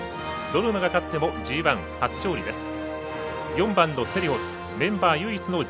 どの馬が勝ってもＧＩ初勝利です。